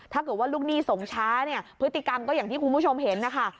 ถ้าเกิดว่าลูกหนี้ส่งช้าเนี่ยพฤติกรรมก็อย่างที่คุณผู้ชมเห็นนะคะ